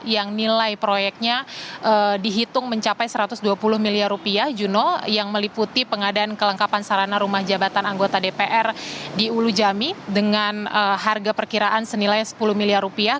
yang nilai proyeknya dihitung mencapai satu ratus dua puluh miliar rupiah juno yang meliputi pengadaan kelengkapan sarana rumah jabatan anggota dpr di ulu jami dengan harga perkiraan senilai sepuluh miliar rupiah